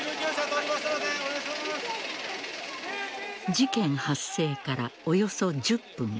事件発生からおよそ１０分。